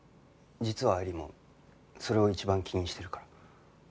実は愛理もそれを一番気にしてるから。